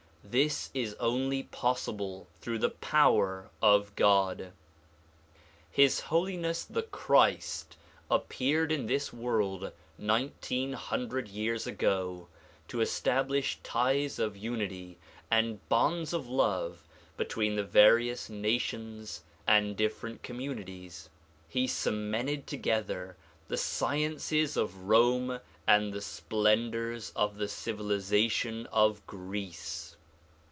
This is only possible through the power of God. His Holiness the Christ appeared in this world nineteen hundred years ago to establish ties of unity and bonds of love between the various nations and different communities. He cemented together the sciences of Rome and the splendors of the civilization of Greece.